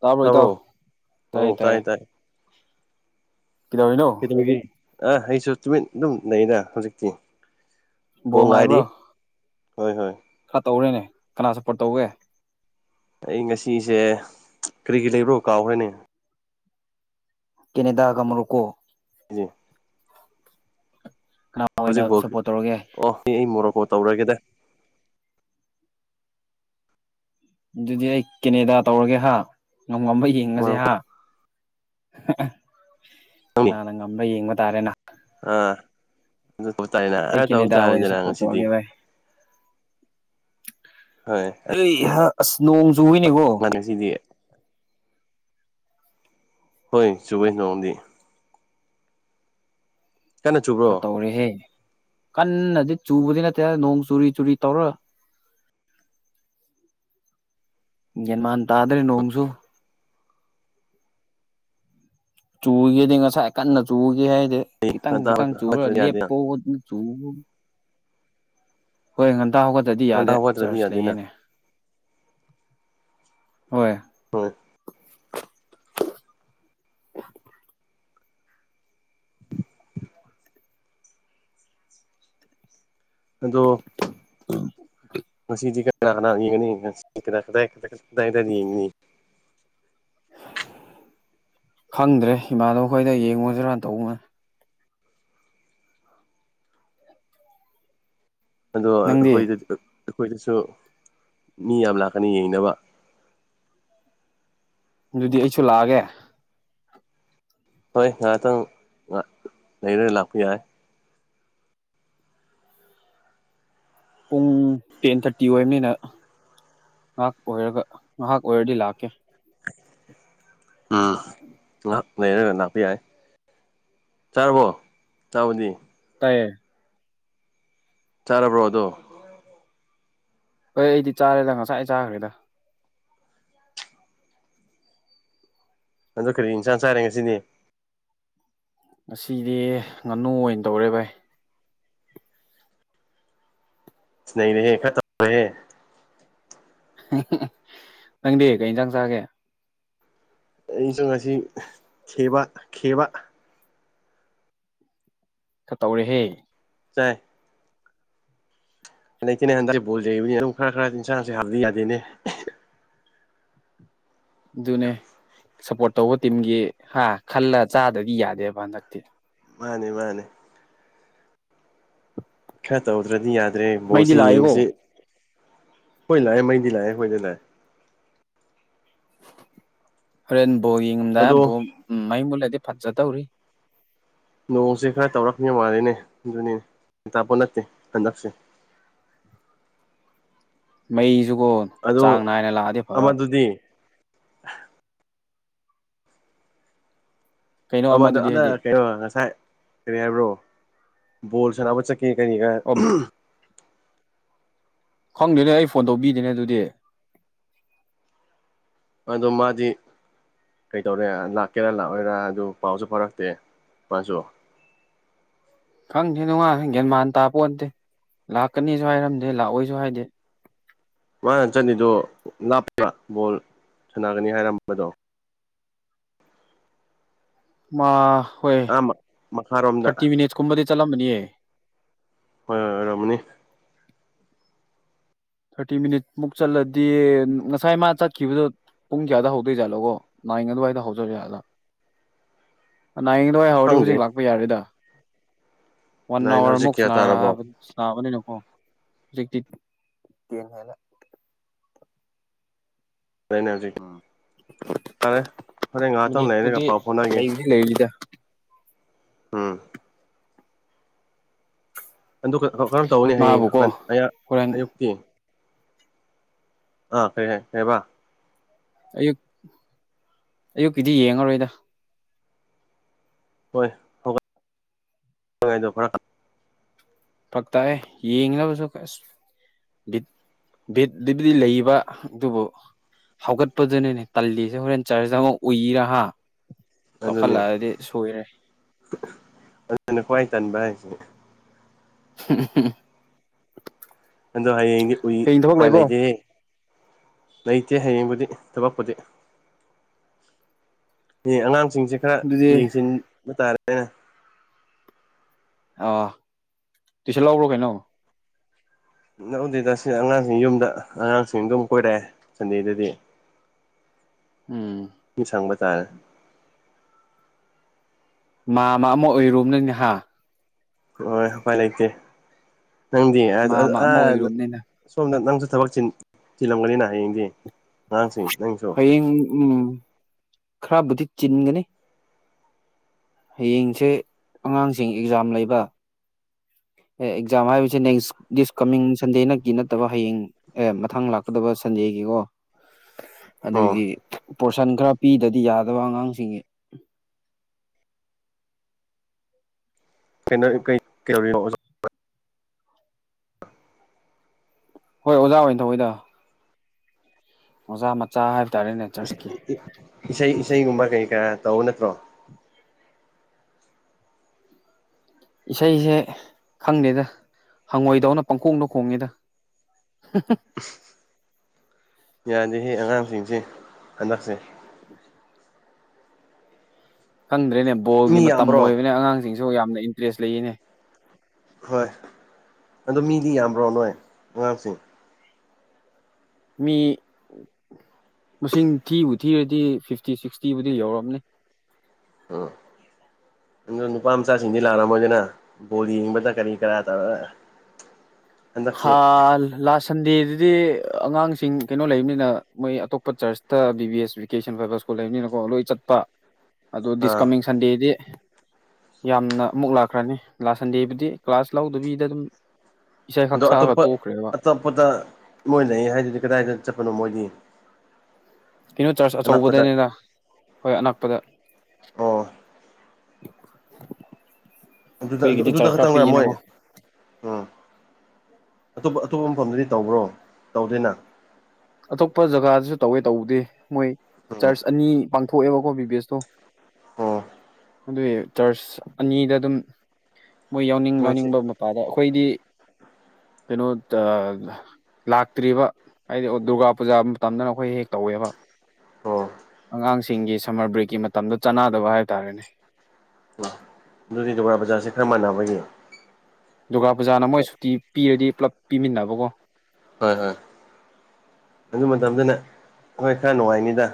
ꯇꯥꯎꯕꯣꯏ ꯇꯥꯎ ꯇꯥꯕ꯭ꯔꯣ ꯇꯥꯏꯌꯦ ꯑꯧ ꯇꯥꯏꯌꯦ ꯇꯥꯏ ꯇꯥꯏ ꯀꯩꯗꯧꯔꯤꯅꯣ ꯑ ꯑꯩꯁꯨ ꯇꯨꯃꯤꯠ ꯑꯗꯨꯝ ꯂꯩꯅ ꯍꯧꯖꯤꯛꯇꯤ ꯕꯣꯜ ꯅꯨꯡꯉꯥꯏꯔꯤ ꯉꯥꯏꯕ꯭ꯔꯣ ꯍꯣꯏ ꯍꯣꯏ ꯈꯔ ꯇꯧꯔꯦꯅꯦ ꯀꯅꯥ ꯁꯞꯄꯣꯔꯠ ꯇꯧꯒꯦ ꯑꯩ ꯉꯁꯤꯁꯦ ꯀꯔꯤꯒꯤ ꯂꯩꯕ꯭ꯔꯣ ꯀꯥꯎꯈ꯭ꯔꯦꯅꯦ ꯀꯦꯅꯦꯗꯥꯒ ꯑꯃꯔꯨꯀꯣ ꯖꯤ ꯀ ꯍꯧꯖꯤꯛꯐꯥꯎ ꯑꯣ ꯁꯤ ꯑꯩ ꯃꯣꯔꯣꯛꯀꯣ ꯇꯧꯔꯒꯦꯗ ꯑꯗꯨꯗꯤ ꯑꯩ ꯀꯦꯅꯦꯗꯥ ꯇꯧꯔꯒꯦ ꯍꯥ ꯉꯝ ꯉꯝꯕ ꯌꯦꯡꯉꯁꯦ ꯃꯣꯔꯣꯀꯣ ꯍꯥ ꯑꯍꯍꯥ ꯅꯪꯅꯤ ꯀꯅꯥꯅ ꯉꯝꯕ ꯌꯦꯡꯕ ꯇꯥꯔꯦꯅ ꯑꯥ ꯑꯗꯨ ꯇ ꯇꯥꯏ ꯑꯩ ꯍꯥꯏ ꯇꯧꯕ ꯀꯦꯅꯦꯗꯥ ꯑꯣꯏꯅ ꯇꯥꯔꯦꯗꯅ ꯁꯞꯄꯣꯔꯠ ꯉꯁꯤꯗꯤ ꯇꯧꯔꯒꯦ ꯚꯥꯏ ꯍꯣꯏ ꯑꯩ ꯑꯁ ꯅꯣꯡ ꯆꯨꯏꯅꯦꯀꯣ ꯃꯥꯅꯦꯁꯤꯗꯤ ꯍꯣꯏ ꯆꯨꯌꯦ ꯅꯣꯟꯗꯤ ꯀꯟꯅ ꯆꯨꯕ꯭ꯔꯣ ꯈꯔ ꯇꯧꯔꯦꯍꯦ ꯀꯟꯅꯗꯤ ꯆꯨꯕꯗꯤ ꯅꯠꯇꯦ ꯅꯣꯡ ꯆꯨꯔꯤ ꯆꯨꯔꯤ ꯇꯧꯔ ꯌꯦꯒꯟ ꯃꯥꯟ ꯇꯥꯗ꯭ꯔꯦ ꯅꯣꯡꯃꯁꯨ ꯆꯨꯒꯦꯗꯤ ꯉꯁꯥꯏ ꯀꯟꯅ ꯆꯨꯒꯦ ꯍꯥꯏꯗꯤ ꯑꯩ ꯈꯤꯇꯪ ꯉꯟꯇꯥ ꯈꯤꯇꯪ ꯆꯨꯔ ꯍꯧꯒꯠꯇ꯭ꯔꯗꯤ ꯌꯥꯗꯦꯅ ꯂꯦꯞꯄ ꯍꯣꯏ ꯉꯟꯇꯥ ꯍꯧꯒꯠꯠꯇꯗꯤ ꯉꯟꯇꯥ ꯌꯥꯗꯦ ꯍꯧꯒꯠꯇ꯭ꯔꯗꯤ ꯆꯥꯔꯆ ꯌꯥꯗꯦꯅ ꯂꯩꯒꯦꯅꯦ ꯍꯣꯏ ꯍꯣꯏ ꯑꯗꯣ ꯉꯁꯤꯗꯤ ꯀꯅꯥ ꯀꯅꯥ ꯌꯦꯒꯅꯤ ꯉꯁꯤ ꯀꯗꯥꯏ ꯀꯗꯥꯏ ꯌꯦꯅꯤ ꯈꯪꯗ꯭ꯔꯦ ꯏꯃꯥꯟꯅꯕꯗꯣꯏꯗ ꯌꯦꯡꯉꯨꯁꯤꯔꯥ ꯇꯧꯕꯅꯦ ꯑꯗꯣ ꯅꯪꯗꯤ ꯑꯩꯈꯣꯏꯗ ꯑꯩꯈꯣꯏꯗꯁꯨ ꯃꯤ ꯌꯥꯝ ꯂꯥꯛꯀꯅꯤ ꯌꯦꯡꯅꯕ ꯑꯗꯨꯗꯤ ꯑꯩꯁꯨ ꯂꯥꯛꯑꯒꯦ ꯍꯣꯏ ꯉꯥꯏꯍꯥꯛꯇꯪ ꯉꯍꯥꯛ ꯂꯩꯔꯒ ꯂꯥꯛꯄ ꯌꯥꯏ ꯄꯨꯡ ꯇꯦꯟ ꯊꯥꯔꯇꯤ ꯑꯣꯏꯕꯅꯤꯅ ꯉꯥꯏꯍꯥꯛ ꯑꯣꯏꯔꯒ ꯉꯥꯏꯍꯥꯛ ꯑꯣꯏꯔꯒ ꯂꯥꯛꯀꯦ ꯎꯝ ꯉꯍꯥꯛ ꯂꯩꯔꯒ ꯂꯥꯛꯄ ꯌꯥꯏ ꯆꯥꯔꯕꯣ ꯆꯥꯕꯗꯤ ꯇꯥꯏꯌꯦ ꯆꯥꯔꯕ꯭ꯔꯣ ꯑꯗꯣ ꯍꯣꯏ ꯑꯩꯗꯤ ꯆꯥꯔꯦꯗ ꯉꯁꯥꯏ ꯆꯥꯒꯔꯦꯗ ꯑꯗꯨ ꯀꯔꯤ ꯏꯟꯁꯥꯡ ꯆꯥꯏꯔꯦ ꯉꯁꯤꯅꯦ ꯉꯁꯤꯗꯤ ꯉꯥꯅꯨ ꯑꯣꯏꯅ ꯇꯧꯔꯦ ꯚꯥꯏ ꯅꯩꯔꯦꯍꯦ ꯈꯔ ꯇꯧꯔꯦꯍꯦ ꯅꯪꯗꯤ ꯀꯩ ꯌꯦꯟꯁꯥꯡ ꯆꯥꯒꯦ ꯑꯩꯁꯨ ꯉꯁꯤ ꯈꯦꯕ ꯈꯦꯕ ꯈꯔ ꯇꯧꯔꯦꯍꯦ ꯇꯥꯏ ꯂꯩꯇꯦꯅꯦ ꯍꯟꯗꯛ ꯕꯣꯜꯌꯦꯕꯒꯤ ꯑꯗꯨꯝ ꯈꯔ ꯈꯔ ꯆꯥꯁꯦ ꯍꯥꯕꯗꯤ ꯌꯥꯗꯦꯅꯦ ꯑꯗꯨꯅꯦ ꯁꯞꯄꯣꯔꯠ ꯇꯧꯕ ꯇꯤꯝꯒꯤ ꯍꯥ ꯈꯜꯂ ꯆꯥꯗ꯭ꯔꯗꯤ ꯌꯥꯗꯦꯕ ꯍꯟꯗꯛꯇꯤ ꯃꯥꯅꯦ ꯃꯥꯅꯦ ꯈꯔ ꯇꯧꯗ꯭ꯔꯗꯤ ꯌꯥꯗ꯭ꯔꯦ ꯃꯩꯗꯤ ꯕꯣꯜꯁꯤ ꯂꯥꯛꯏꯀꯣ ꯌꯦꯡꯕꯁꯤ ꯍꯣꯏ ꯂꯥꯛꯑꯦ ꯃꯩꯗꯤ ꯂꯥꯛꯑꯦ ꯍꯣꯏꯗꯤ ꯂꯥꯛꯑꯦ ꯍꯣꯔꯦꯟ ꯕꯣꯜ ꯌꯦꯡꯉꯝꯗ ꯑꯗꯣ ꯕꯣ ꯃꯩ ꯃꯨꯠꯂꯗꯤ ꯐꯖꯗꯧꯔꯤ ꯅꯣꯡꯁꯦ ꯈꯔ ꯇꯧꯔꯛꯅꯤ ꯃꯥꯜꯂꯤꯅꯦ ꯑꯗꯨꯅꯤꯅꯦꯇꯥꯄꯣꯠ ꯅꯠꯇꯦ ꯍꯟꯗꯛꯁꯦ ꯃꯩꯁꯨꯀꯣ ꯑꯗꯣ ꯆꯥꯡ ꯅꯥꯏꯅ ꯂꯥꯛꯑꯗꯤ ꯐꯕ ꯑꯃꯗꯨꯗꯤ ꯀꯩꯅꯣ ꯗ ꯑꯃꯗꯨꯗꯤ ꯑꯗ ꯍꯥꯏꯗꯤ ꯀꯩꯅꯣ ꯉꯁꯥꯏ ꯀꯔꯤ ꯍꯥꯏꯕ꯭ꯔꯣ ꯕꯣꯜ ꯁꯥꯟꯅꯕ ꯆꯠꯈꯤ ꯀ ꯀꯔꯤꯒ ꯑꯣ ꯈꯪꯗꯦꯅꯦ ꯑꯩ ꯐꯣꯟ ꯇꯧꯕꯤꯗꯦꯅꯦ ꯑꯗꯨꯗꯤ ꯑꯗꯣ ꯃꯥꯗꯤ ꯀꯩꯗꯧꯔꯦ ꯂꯥꯛꯀꯦꯔꯥ ꯂꯥꯛꯑꯣꯏꯔꯥ ꯑꯗꯨ ꯄꯥꯎꯁꯨ ꯐꯔꯛꯇꯦ ꯃꯥꯁꯨ ꯈꯪꯗꯦ ꯃꯥ ꯃ ꯦꯟ ꯃꯥꯟ ꯇꯥꯄꯣꯟꯗꯦ ꯂꯥꯛꯀꯅꯤꯁꯨ ꯍꯥꯏꯔꯝꯗꯦ ꯂꯥꯛꯑꯣꯏꯁꯨ ꯍꯥꯏꯗꯤ ꯃꯥꯅ ꯆꯠꯂꯤꯗꯣ ꯂꯥꯞꯄ ꯕꯣꯜ ꯁꯥꯟꯅꯒꯅꯤ ꯍꯥꯏꯔꯝꯕꯗꯣ ꯃꯥ ꯍꯣꯏ ꯑꯥ ꯃꯈꯥꯔꯣꯝꯗ ꯊꯥꯔꯇꯤ ꯃꯤꯅꯤꯠꯁ ꯀꯨꯝꯕꯗꯤ ꯆꯠꯂꯝꯕꯅꯤꯌꯦ ꯍꯣꯏ ꯍꯣꯏ ꯑꯣꯏꯣꯔꯝꯃꯅꯤ ꯊꯥꯔꯇꯤ ꯃꯤꯅꯤꯠ ꯃꯨꯛ ꯆꯠꯂꯗꯤ ꯉꯁꯥꯏ ꯃꯥ ꯆꯠꯈꯤꯕꯗꯣ ꯄꯨꯡ ꯀꯌꯥꯗ ꯍꯧꯗꯣꯏꯖꯥꯠꯂꯣꯕꯣ ꯃꯥꯏ ꯑꯗꯨꯋꯥꯏꯗ ꯍꯧꯖꯔ ꯌꯥꯥꯠꯂꯥ ꯅꯥꯌꯦꯡꯗꯣꯋꯥꯏꯍꯥꯎꯔꯗꯤ ꯈꯪꯗꯦ ꯍꯧꯖꯤꯛ ꯂꯥꯛꯄ ꯌꯥꯔꯦꯗ ꯋꯥꯟ ꯅꯥꯏꯟ ꯍꯧꯖꯤꯛ ꯑꯋꯥꯔꯃꯨꯛ ꯀꯌꯥ ꯁꯔ ꯇꯥꯔꯕꯣ ꯁꯕꯅꯤꯅꯀꯣ ꯍꯧꯖꯤꯛꯇꯤ ꯇꯦꯟ ꯍꯥꯏꯅ ꯅꯦ ꯍꯧꯖꯤꯛ ꯎꯝ ꯐꯔꯦ ꯍꯣꯔꯦꯟ ꯉꯥꯏꯍꯥꯛꯇꯪ ꯂꯩꯔꯒ ꯄꯥꯎ ꯐꯥꯎꯅꯒꯦ ꯂꯩꯗ ꯎꯝ ꯑꯗꯨꯒ ꯀꯔꯝ ꯇꯧꯒꯅꯤ ꯍꯌꯦꯡ ꯃꯥꯕꯨꯀꯣ ꯍꯣꯔꯦꯟ ꯑꯌꯨꯛꯇꯤ ꯑꯥ ꯀꯩ ꯍꯥꯏꯦ ꯍꯥꯏꯕ ꯑꯌꯨꯛ ꯑꯌꯨꯛꯀꯤꯗꯤ ꯌꯦꯡꯉꯔꯣꯏꯗ ꯍꯣꯏ ꯐꯛꯇꯑ ꯌꯦꯡꯂꯕꯁꯨ ꯑꯁ ꯕꯤꯠ ꯕꯤꯠꯕꯨꯗꯤ ꯂꯩꯕ ꯑꯗꯨꯕꯨ ꯍꯧꯒꯠꯄꯗꯨꯅꯅꯦ ꯇꯜꯂꯤꯁꯦ ꯍꯣꯔꯦꯟ ꯆꯔꯆ ꯑꯃꯛ ꯎꯏꯔ ꯑꯗꯨꯅꯤ ꯇꯧꯈꯠꯂꯛꯑꯗꯤ ꯁꯣꯏꯔꯦ ꯑꯗꯨꯅ ꯈ꯭ꯋꯥꯏ ꯇꯟꯕ ꯍꯥꯏꯁꯦ ꯍꯥ ꯍꯥ ꯍꯥ ꯑꯗꯣ ꯍꯌꯦꯡꯗꯤ ꯎꯏ ꯎꯄꯥꯏ ꯂꯩꯇꯦ ꯂꯩꯇꯦ ꯍꯌꯦꯡꯕꯨꯗꯤ ꯊꯕꯛꯄꯨꯗꯤ ꯑꯉꯥꯡꯁꯤꯡꯁꯦ ꯈꯔ ꯑꯗꯨꯗꯤ ꯌꯦꯡꯁꯤꯟꯕ ꯇꯥꯔꯦꯅ ꯑꯥ ꯇꯨꯏꯁꯟ ꯂ꯭ꯔꯣ ꯀꯩꯅꯣ ꯅꯧꯗꯦꯗ ꯁꯤ ꯑꯉꯥꯡꯁꯤꯡ ꯌꯨꯝꯗ ꯑꯉꯥꯡꯁꯤꯡ ꯑꯗꯨꯝ ꯀꯣꯏꯔꯛꯑꯦ ꯁꯟꯗꯦꯗꯗꯤ ꯎꯝ ꯁꯪꯕ ꯇꯥꯔ ꯃꯥꯝꯃ ꯑꯃ ꯑꯣꯏꯔꯨꯕꯅꯤꯅꯍꯥ ꯍꯣꯏ ꯍꯥꯏꯄꯥꯏ ꯂꯩꯇꯦ ꯅꯪꯗꯤ ꯃꯥꯃ ꯑꯃ ꯑꯣꯏꯔꯨꯕꯅꯤꯅ ꯁꯣꯝꯅ ꯅꯪꯁꯨ ꯊꯕꯛ ꯊꯤꯜꯂꯝꯒꯅꯤꯅ ꯍꯥꯏꯌꯦꯡꯗꯤ ꯍꯌꯦꯡ ꯎꯝ ꯈꯔꯕꯨꯗꯤ ꯆꯤꯟꯒꯅꯤ ꯍꯌꯦꯡꯁꯦ ꯑꯉꯥꯡꯁꯤꯡ ꯑꯦꯛꯖꯥꯝ ꯂꯩꯕ ꯑꯦ ꯑꯦꯛꯖꯥꯝ ꯍꯥꯏꯁꯦ ꯅꯦꯛꯁ ꯗꯤꯁ ꯀꯃꯤꯡ ꯁꯟꯗꯦ ꯅꯛꯀꯤ ꯅꯠꯇꯕ ꯍꯌꯦꯡ ꯑꯦ ꯃꯊꯪ ꯂꯥꯛꯀꯗꯕ ꯁꯟꯗꯦꯒꯤꯀꯣ ꯑꯣ ꯑꯗꯨꯒꯤ ꯄꯣꯔꯁꯟ ꯈꯔ ꯄꯤꯗꯗꯤ ꯌꯥꯗꯕ ꯑꯉꯥꯡꯁꯤꯡꯒꯤ ꯀꯩꯅꯣ ꯀꯩ ꯀꯧꯔꯤꯣ [inaudible] ꯍꯣꯏ ꯑꯣꯖꯥ ꯑꯣꯏꯅ ꯊꯧꯋꯏꯗ ꯑꯣꯖꯥ ꯃꯆꯥ ꯍꯥꯏꯕ ꯇꯥꯔꯦꯅꯦ ꯆꯔꯆꯀꯤ ꯏꯁꯩ ꯏꯁꯩꯒꯨꯝꯕ ꯀꯩ ꯀꯥ ꯇꯧ ꯅꯠꯇ꯭ꯔꯣ ꯏꯁꯩꯁꯦ ꯈꯪꯗꯦꯗ ꯍꯪꯉꯣꯏꯗꯧꯅ ꯄꯪꯈꯣꯡꯗꯣ ꯈꯣꯡꯉꯦꯗ ꯎꯝ ꯌꯥꯗꯦꯍꯦ ꯑꯉꯥꯡꯁꯤꯡꯁꯤ ꯍꯟꯗꯛꯁꯦ ꯈꯪꯗ꯭ꯔꯦꯅꯦ ꯕꯣꯜꯒꯤ ꯃꯤ ꯃꯇꯝ ꯌꯥꯝꯕ꯭ꯔꯣ ꯑꯣꯏꯕꯅꯦ ꯑꯉꯥꯡꯁꯤꯡꯁꯨ ꯌꯥꯝꯅ ꯏꯟꯇꯔꯦꯁ ꯂꯩꯌꯦꯅꯦ ꯍꯣꯏ ꯑꯗꯣ ꯃꯤꯗꯤ ꯌꯥꯝꯕ꯭ꯔꯣ ꯅꯣꯏ ꯑꯉꯥꯡꯁꯤꯡ ꯃꯤ ꯃꯁꯤꯡ ꯊꯤꯕꯨ ꯊꯤꯔꯗꯤ ꯐꯤꯐꯇꯤ ꯁꯤꯛꯁꯇꯤꯕꯨꯗꯤ ꯌꯧꯔꯝꯅꯤ ꯑꯥ ꯑꯗꯣ ꯅꯨꯄꯥ ꯃꯆꯥꯁꯤꯡꯗꯤ ꯂꯥꯛꯔꯝꯃꯣꯏꯗꯅ ꯕꯣꯜ ꯌꯦꯡꯕꯗ ꯀꯔꯤ ꯀꯔꯥ ꯇꯥꯔ [unintelligible] ꯍꯜ ꯂꯥꯁ꯫ ꯁꯟꯗꯦꯖꯤꯗꯤ ꯑꯉꯥꯡꯁꯤꯡ ꯀꯩꯅꯣ ꯂꯩꯕꯅꯤꯅ ꯃꯣꯏ ꯑꯇꯣꯞꯄ ꯆꯔꯁꯇ ꯕꯤ ꯕꯤ ꯑꯦꯁ ꯚꯦꯀꯦꯁꯟ [unintelligible] [unintelligible] ꯂꯩꯕꯅꯤꯅꯀꯣ ꯂꯣꯏ ꯆꯠꯄ ꯑꯗꯣ ꯑꯥ ꯗꯤꯁꯀꯃꯤꯡ꯫ ꯁꯟꯗꯦꯗꯤ ꯌꯥꯝꯅ ꯑꯃꯨꯛ ꯂꯥꯛꯈ꯭ꯔꯅꯤ ꯂ ꯁꯟꯗꯦꯕꯨꯗꯤ ꯀ꯭ꯂꯥꯁ ꯂꯧꯗꯕꯤꯗ ꯑꯗꯨꯝ ꯏꯁꯩꯈꯛ ꯑꯗꯣ ꯁꯛꯑꯒ ꯑꯇꯣꯞꯄ ꯇꯣꯛꯈ꯭ꯔꯦꯕ ꯑꯇꯣꯞꯄꯗ ꯃꯣꯏ ꯂꯩ ꯍꯥꯏꯗꯨꯗꯤ ꯀꯗꯥꯏꯗ ꯆꯠꯄꯅꯣ ꯃꯣꯏꯗꯤ꯫ ꯀꯩꯅꯣ ꯆꯥꯔꯁ ꯑꯅꯛꯄꯗ ꯑꯆꯧꯕꯗꯩꯅꯤꯅ ꯑꯩꯈꯣꯏ ꯑꯅꯛꯄꯗ꯫ ꯑꯣ꯫ [unintelligible] ꯑꯗꯨ ꯑꯗꯨꯗ ꯆꯥꯔꯖ ꯈꯔ ꯈꯛꯇꯪ ꯑꯣꯏꯔꯝ ꯃꯣꯏ ꯄꯤꯛꯑꯦꯅꯀꯣ ꯎꯝ ꯑꯇꯣꯞ ꯑꯇꯣꯞꯄ ꯃꯐꯝꯗꯗꯤ ꯇꯧꯕ꯭ꯔꯣ ꯇꯧꯗꯣꯏꯅ ꯑꯇꯣꯞꯄ ꯖꯒꯥꯗꯁꯨ ꯇꯧꯋꯦ ꯇꯧꯕꯗꯦ ꯃꯣꯏ ꯎꯝ ꯆꯔꯆ ꯑꯅꯤ ꯄꯥꯡꯊꯣꯛꯑꯦꯕꯀꯣ ꯕꯤ ꯕꯤꯕꯦꯁꯇꯣ꯫ ꯑꯣ꯫ ꯑꯗꯨꯏ ꯆꯔꯆ ꯑꯅꯤꯗ ꯑꯗꯨꯝ ꯃꯣꯏ ꯌꯥꯎꯅꯤꯡ ꯃꯣꯏꯁꯦ ꯌꯥꯎꯅꯤꯡꯕ ꯃꯄꯥꯗ ꯑꯩꯈꯣꯏꯗꯤ꯫ ꯀꯩꯅꯣ ꯑ ꯂꯥꯛꯇ꯭ꯔꯤꯕ ꯍꯥꯏꯗꯤ ꯗꯨꯔꯒꯥ ꯄꯨꯖꯥ ꯃꯇꯝꯗꯅ ꯑꯩꯈꯣꯏ ꯍꯦꯛ ꯇꯧꯋꯦꯕ ꯑꯣ ꯑꯉꯥꯡꯁꯤꯡꯒꯤ ꯁꯝꯃꯔ ꯕ꯭ꯔꯦꯛꯀꯤ ꯃꯇꯝꯗ ꯆꯥꯅꯗꯕ ꯍꯥꯏꯕ ꯇꯥꯔꯦꯅꯦ ꯑꯣ ꯑꯗꯨꯗꯤ ꯗꯨꯔꯒ ꯄꯨꯖ ꯈꯔ ꯃꯥꯟꯅꯕꯒꯤ ꯗꯨꯔꯒꯥ ꯄꯨꯖꯥꯅ ꯃꯣꯏ ꯁꯨꯇꯤ ꯄꯤꯔꯗꯤ ꯄꯨꯂꯞ ꯄꯤꯃꯤꯟꯅꯕꯀꯣ ꯍꯣꯏ ꯍꯣꯏ ꯑꯗꯨ ꯃꯇꯝꯗꯅ ꯊꯋꯥꯏ ꯈꯔ ꯅꯨꯡꯉꯥꯏꯅꯤꯗ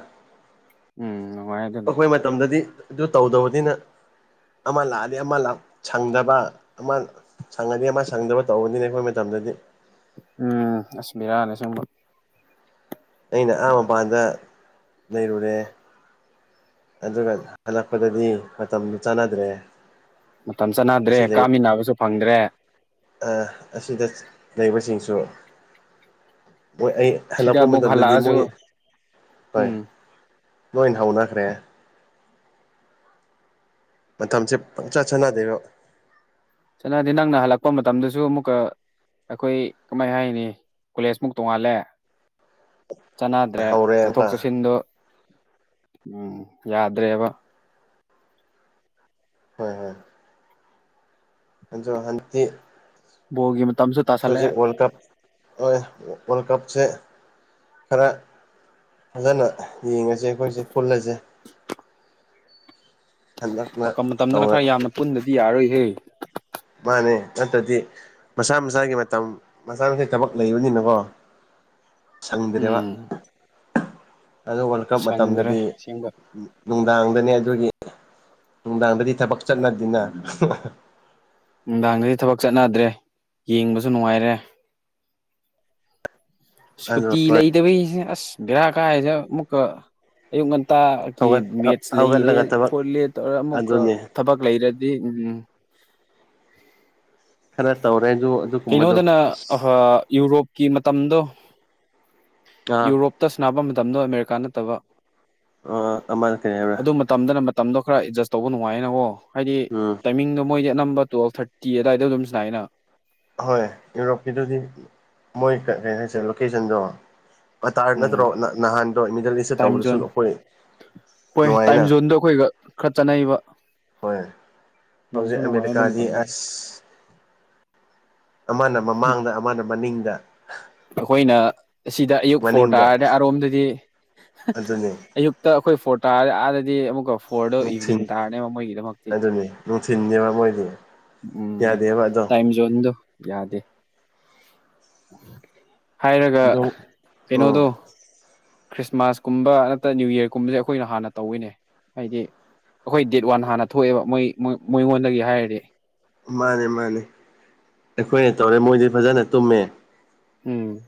ꯎꯝ ꯅꯨꯡꯉꯥꯏ ꯑꯗꯨ ꯑꯩꯈꯣꯏ ꯃꯇꯝꯗꯗꯤ ꯑꯗꯨ ꯇꯧꯗꯕꯅꯤꯅ ꯑꯃ ꯂꯥꯛꯑꯗꯤ ꯑꯃ ꯁꯪꯗꯕ ꯑꯃ ꯁꯪꯉꯗꯤ ꯑꯃ ꯁꯪꯗꯕ ꯇꯧꯕꯅꯤꯅꯦ ꯑꯩꯈꯣꯏ ꯃꯇꯝꯗꯗꯤ ꯎꯝ ꯑꯁ ꯕꯦꯔꯥꯅꯦ ꯑꯁꯦꯡꯕ ꯑꯩꯅ ꯑꯍꯥ ꯃꯄꯥꯟꯗ ꯂꯩꯔꯨꯔꯦ ꯑꯗꯨꯅ ꯍꯜꯂꯛꯄꯗꯗꯤ ꯃꯇꯝꯗꯨ ꯆꯥꯟꯅꯗ꯭ꯔꯦ ꯃꯇꯝ ꯆꯥꯟꯅꯗ꯭ꯔꯦ ꯑꯁꯤ ꯂꯩ ꯀꯥꯃꯤꯟꯅꯕꯁꯨ ꯐꯪꯗ꯭ꯔꯦ ꯑꯁꯤꯗ ꯂꯩꯕꯁꯤꯡꯁꯨ ꯃꯣꯏ ꯑꯩ ꯁꯤꯗ ꯍꯜꯂꯛꯄ ꯑꯃꯨꯛ ꯃꯇꯝꯗꯗꯤ ꯍꯜꯂꯛꯑꯁꯨ ꯃꯣꯏ ꯍꯣꯏ ꯎꯝ ꯅꯣꯏꯅ ꯍꯧꯅꯈ꯭ꯔꯦ ꯃꯇꯝꯁꯦ ꯄꯪꯆ ꯁꯥꯟꯅꯗꯣꯏꯕ ꯆꯥꯟꯅꯗꯦ ꯅꯪꯅ ꯍꯜꯂꯛꯄ ꯃꯇꯝꯗꯁꯨ ꯑꯃꯨꯛꯀ ꯑꯩꯈꯣꯏ ꯀꯃꯥꯏ ꯍꯥꯏꯅꯤ ꯀꯣꯂꯦꯖ ꯃꯨꯛ ꯇꯣꯡꯉꯥꯜꯂꯦ ꯆꯥꯟꯅꯗ꯭ꯔꯦ ꯍꯧꯔꯦ ꯆꯠꯊꯣꯛ ꯑꯝꯇ ꯆꯠꯁꯤꯟꯗꯣ ꯎꯝ ꯌꯥꯗ꯭ꯔꯦꯕ ꯍꯣꯏ ꯍꯣꯏ [unintelligible] ꯍꯥꯟꯇꯤ ꯕꯣꯜꯒꯤ ꯃꯇꯝꯁꯨ ꯇꯥꯁꯜꯂꯛꯑꯦ ꯍꯧꯖꯤꯛ ꯋꯥꯔꯜ ꯀꯞ ꯍꯣꯏ ꯋꯥꯔꯜ ꯀꯞꯁꯦ ꯈꯔ ꯐꯖꯅ ꯌꯦꯡꯉꯁꯦ ꯑꯩꯈꯣꯏꯁꯦ ꯄꯨꯜꯂꯁꯦ ꯍꯟꯗꯛꯅ ꯃꯇꯝ ꯃꯇꯝꯗꯅ ꯇꯧꯔ ꯈꯔ ꯌꯥꯝꯅ ꯄꯨꯟꯗꯗꯤ ꯌꯥꯔꯣꯏꯍꯦ ꯃꯥꯅꯦ ꯅꯠꯇꯗꯤ ꯃꯁꯥ ꯃꯁꯥꯒꯤ ꯃꯇꯝ ꯃꯆꯥꯥ ꯃꯁꯥ ꯊꯕꯛ ꯂꯩꯕꯅꯤꯅꯀꯣ ꯁꯪꯗ꯭ꯔꯦꯕ ꯎꯝ ꯑꯗꯨ ꯋꯥꯜ ꯀꯞ ꯁꯪꯗ꯭ꯔꯦ ꯃꯇꯝꯗꯗꯤ ꯑꯁꯦꯡꯕ ꯅꯨꯡꯗꯥꯡꯗꯅꯦ ꯑꯗꯨꯒꯤ ꯅꯨꯡꯗꯥꯡꯗꯗꯤ ꯊꯕꯛ ꯆꯠꯅꯗꯦꯅ ꯅꯨꯡꯗꯥꯡꯗꯗꯤ ꯊꯕꯛ ꯆꯠꯅꯗ꯭ꯔꯦ ꯌꯦꯡꯕꯁꯨ ꯅꯨꯡꯉꯥꯏꯔꯦ ꯑꯗꯨ ꯁꯨꯇꯤ ꯍꯣꯏ ꯂꯩꯇꯕꯒꯤꯁꯦ ꯑꯁ ꯕꯦꯔꯥ ꯀꯥꯏꯁꯦ ꯑꯃꯨꯛꯀ ꯑꯌꯨꯛ ꯉꯟꯇꯥꯒꯤ ꯍꯧꯒꯠ ꯃꯦꯠꯁ ꯂꯩꯔꯦ ꯍꯧꯒꯠꯂꯒ ꯊꯕꯛ ꯈꯣꯠꯂꯦ ꯇꯧꯔꯒ ꯑꯃꯨꯛꯀ ꯑꯗꯨꯅꯦ ꯊꯕꯛ ꯂꯩꯔꯦ ꯑꯗꯨ ꯎꯝ ꯈꯔ ꯇꯧꯔꯦꯁꯨ ꯀꯩꯅꯣꯗꯅ ꯌꯨꯔꯣꯞꯀꯤ ꯃꯇꯝꯗꯣ ꯑꯥ ꯌꯨꯔꯣꯞ ꯇꯁ ꯅꯥꯕ ꯃꯇꯝꯗꯣ ꯑꯃꯦꯔꯤꯀꯥ ꯅꯠꯇꯕ ꯑ ꯑꯃꯅ ꯀꯩ ꯍꯥꯏꯕ꯭ꯔꯥ ꯇꯝꯗꯅ ꯃꯇꯝꯗꯣ ꯈꯔ ꯑꯦꯗꯖꯁ ꯇꯧꯕ ꯅꯨꯡꯉꯥꯏꯌꯦꯅꯀꯣ ꯍꯥꯏꯗꯤ ꯎꯝ ꯇꯥꯏꯃꯤꯡꯗꯣ ꯃꯣꯏꯗꯤ ꯅꯝꯕꯔ ꯇꯨꯋꯜꯞ ꯊꯥꯔꯇꯤ ꯑꯗꯨꯋꯥꯏꯗ ꯑꯗꯨꯝ ꯁꯅꯥꯏꯅ ꯍꯣꯏ ꯌꯨꯔꯣꯞꯀꯤꯗꯨꯗꯤ ꯃꯣꯏ ꯀꯩꯅ ꯍꯥꯏꯁꯦ ꯂꯣꯀꯦꯁꯟꯗꯣ ꯑꯔ ꯎꯝ ꯅꯠꯇ꯭ꯔꯣ ꯅꯍꯥꯟꯗꯣ ꯃꯤꯗꯜ ꯏꯁꯇ ꯇꯥꯏꯝ ꯇꯧꯕꯗꯁꯨ ꯖꯣꯟ ꯑꯩꯈꯣꯏ ꯍꯣꯏ ꯅꯨꯡꯉꯥꯏꯅ ꯇꯥꯏꯝ ꯖꯣꯟꯗꯣ ꯑꯩꯈꯣꯏꯒ ꯈꯔ ꯆꯠꯅꯕ ꯍꯣꯏ ꯍꯧꯖꯤꯛ ꯑꯗꯨ ꯑꯃꯦꯔꯤꯀꯥꯗꯤ ꯃꯇꯝꯗꯗꯤ ꯑꯁ ꯑꯃꯅ ꯃꯃꯥꯡꯗ ꯑꯃꯅ ꯃꯅꯤꯡꯗ ꯑꯩꯈꯣꯏꯅ ꯁꯤꯗ ꯑꯌꯨꯛ ꯐꯣꯔ ꯃꯅꯤꯡꯗ ꯇꯥꯔꯗꯤ ꯑꯔꯣꯝꯗꯗꯤ ꯑꯗꯨꯅꯤ ꯑꯌꯨ ꯇ ꯑꯩꯈꯣꯏ ꯐꯣꯇ ꯗꯤ ꯑꯃꯨꯛꯀ ꯐꯣꯔꯗ ꯏꯚꯤꯅꯤꯡ ꯅꯨꯡꯊꯤꯟ ꯇꯥꯔꯅꯦꯕ ꯃꯣꯏꯒꯤꯗꯃꯛꯇꯤ ꯑꯗꯨꯅꯤ ꯅꯨꯡꯊꯤꯟꯅꯦꯕ ꯃꯣꯏꯗꯤ ꯎꯝ ꯌꯥꯗꯦꯕ ꯑꯗꯣ ꯇꯥꯏꯝ ꯖꯣꯟꯗꯣ ꯌꯥꯗꯦ ꯍꯥꯏꯔꯒ ꯑꯗꯣ ꯑꯣ ꯀꯩꯅꯣꯗꯣ ꯈ꯭ꯔꯤꯁꯃꯥꯁ ꯀꯨꯝꯕ ꯅꯠꯇ ꯅꯤꯌꯨ ꯌꯥꯔꯒꯨꯝꯕꯖꯦ ꯑꯩꯈꯣꯏꯅ ꯍꯥꯟꯅ ꯇꯧꯋꯤꯅꯦ ꯍꯥꯏꯗꯤ ꯑꯩꯈꯣꯏ ꯗꯦꯠ ꯋꯥꯟ ꯍꯥꯟꯅ ꯊꯣꯛꯑꯦꯕ ꯃꯣꯏꯣꯏ ꯃꯣꯏꯉꯣꯟꯗꯒꯤ ꯍꯥꯏꯔꯗꯤ ꯃꯥꯅꯦ ꯃꯥꯅꯦ ꯑꯩꯈꯣꯏꯅ ꯇꯧꯔꯦ ꯃꯣꯏꯗꯤ ꯐꯖꯅ ꯇꯨꯝꯃꯦ꯫ ꯎꯝ꯫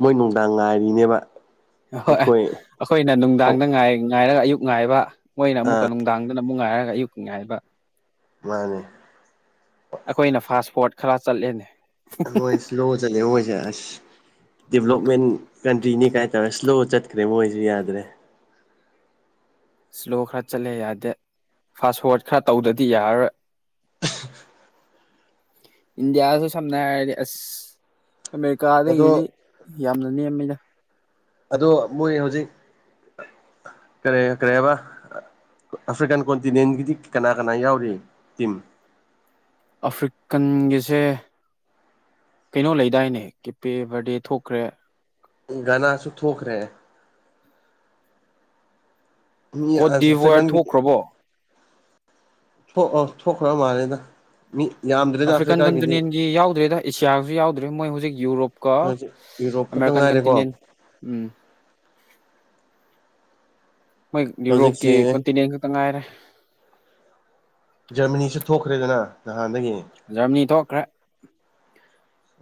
ꯃꯣꯏ ꯅꯨꯡꯗꯥꯡ ꯉꯥꯏꯔꯤꯅꯦꯕ꯫ ꯑꯣꯏ ꯑꯩꯈꯣꯏ ꯑꯩꯈꯣꯏꯅ ꯅꯨꯡꯗꯥꯡꯗ ꯉ ꯉꯥꯏꯔꯒ ꯑꯌꯨꯛ ꯉꯥꯏꯕ ꯃꯣꯏꯅ ꯑꯃꯨꯛꯀ ꯅꯨꯡꯗꯥꯡꯗꯅ ꯑꯃꯨꯛ ꯉꯥꯏꯔꯒ ꯑꯌꯨꯛꯀꯤ ꯉꯥꯏꯕ꯫ ꯃꯥꯅꯦ꯫ ꯑꯩꯈꯣꯏꯅ ꯐꯥꯁ ꯄꯣꯠ ꯈꯔ ꯆꯠꯂꯦꯅꯦ꯫ ꯃꯣꯏ ꯏꯁꯂꯣ ꯆꯠꯂꯤꯔꯣ ꯃꯣꯏꯖꯦ ꯑꯁ ꯗꯦꯕꯂꯞꯃꯦꯟ ꯀꯟꯇ꯭ꯔꯤꯅꯤ ꯀꯥꯏꯇꯧꯔ ꯁ꯭ꯂꯣ ꯆꯠꯈ꯭ꯔꯦ ꯃꯣꯏꯁꯨ ꯌꯥꯗ꯭ꯔꯦ꯫ ꯏꯁꯂꯣ ꯈꯔ ꯆꯠꯂꯦ ꯌꯥꯗꯦ ꯐꯥꯁꯋꯥꯔꯗ ꯈꯔ ꯇꯧꯗꯗꯤ ꯌꯥꯔꯔꯣꯏ ꯏꯟꯗꯤꯌꯥꯁꯨ ꯁꯝꯅ ꯍꯥꯏꯔꯗꯤ ꯑꯁ ꯑꯃꯦꯔꯤꯀꯥꯗꯒꯤꯗꯤ ꯑꯗꯣ ꯌꯥꯝꯅ ꯅꯦꯝꯃꯤꯗ꯫ ꯑꯗꯣ ꯃꯣꯏ ꯍꯧꯖꯤꯛ ꯀꯔꯤ ꯀꯔꯤ ꯍꯥꯏꯕ꯫ ꯑꯐ꯭ꯔꯤꯀꯥꯟ ꯀꯣꯟꯇꯤꯅꯦꯟꯒꯤꯗꯤ ꯀꯅꯥ ꯀꯅꯥ ꯌꯥꯎꯔꯤ ꯇꯤꯝ ꯑꯐ꯭ꯔꯤꯀꯟꯒꯤꯁꯦ ꯀꯩꯅꯣ ꯂꯩꯗꯥꯏꯅꯦ ꯀꯦꯞꯄꯦ ꯕꯥꯔꯗꯦ ꯊꯣꯛꯈ꯭ꯔꯦ ꯒꯅꯥꯁꯨ ꯊꯣꯛꯈ꯭ꯔꯦ꯫ ꯃꯤ ꯀꯣꯠ ꯑꯁ ꯗꯤꯚꯣꯔ ꯑꯐ꯭ꯔꯀꯥꯥꯟ ꯀꯦ ꯊꯣꯛꯈ꯭ꯔꯕꯣ ꯊꯣꯛ ꯑꯣ ꯊꯣꯛꯈ꯭ꯔꯕ ꯃꯥꯜꯂꯦꯗ꯫ ꯃꯤ ꯌꯥꯝ ꯑꯐ꯭ꯔꯤꯀꯥꯟ ꯀꯟꯇꯨꯅꯌꯟꯒꯤ ꯌꯥꯎꯗ꯭ꯔꯦꯗ ꯑꯦꯁꯤꯌꯥꯁꯨ ꯌꯥꯎꯗ꯭ꯔꯦ ꯃꯣꯏ ꯍꯧꯖꯤꯛ ꯌꯨꯔꯣꯞ ꯀꯣ ꯍꯧꯖꯤꯛ ꯌꯨꯔꯣꯞ ꯈꯛꯇ ꯑꯃꯦꯔꯤꯀꯟ ꯉꯥꯏꯔꯦꯀꯣ ꯀꯟꯇꯅꯦꯟ ꯎꯝ ꯃꯣꯏ ꯌꯨꯔꯣꯞꯀꯤ ꯍꯧꯖꯤꯛꯁꯦ ꯀꯣꯟꯇꯤꯅ ꯇ ꯉꯥꯏꯔꯦ ꯖꯔꯃꯅꯤꯁꯨ ꯊꯣꯛꯈ꯭ꯔꯦꯗꯅ ꯅꯍꯥꯟꯗꯒꯤ ꯌꯦꯡꯉꯤ ꯖꯔꯃꯅꯤ ꯊꯣꯛꯈ꯭ꯔꯦ꯫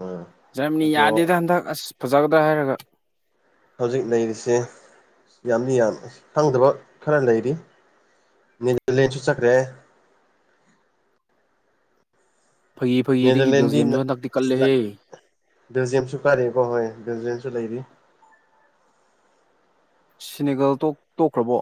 ꯎꯝ꯫ ꯖꯔꯃꯅꯤ ꯑꯗꯣ ꯌꯥꯗꯦꯗ ꯍꯟꯗꯛ ꯑꯁ ꯐꯖꯒꯗ꯭ꯔ ꯍꯥꯏꯔꯒ ꯍꯧꯖꯤꯛ ꯂꯩꯔꯤꯁꯦ ꯌꯥꯝꯗꯤ ꯌꯥꯝ ꯈꯪꯗꯕ ꯈꯔ ꯂꯩꯔꯤ ꯅꯦꯗꯔꯂꯦꯟꯁꯨ ꯆꯠꯈ꯭ꯔꯦ꯫ ꯐꯥꯒꯤ ꯐꯥꯒꯤꯗꯒꯤ ꯅꯦꯗꯔꯂꯦꯟꯗꯤ ꯕꯦꯜꯖꯤꯌꯝꯁꯨ ꯍꯟꯗꯛꯇꯤ ꯀꯜꯂꯦꯍꯦ ꯕꯦꯜꯖꯤꯌꯝꯁꯨ ꯀꯥꯔꯦꯀꯣ ꯍꯣꯏ ꯕꯦꯜꯖꯤꯌꯝꯁꯨ ꯂꯩꯔꯤ꯫ ꯁꯤꯅꯤꯒꯜ ꯇꯣꯛ ꯇꯣꯛꯈ꯭ꯔꯕꯣ꯫